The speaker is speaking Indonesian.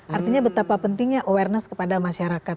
artinya betapa pentingnya awareness kepada masyarakat